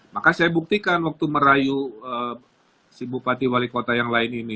maka saya buktikan waktu merayu si bupati wali kota yang lain ini